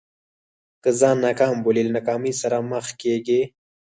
که ځان ناکام بولې له ناکامۍ سره مخ کېږې.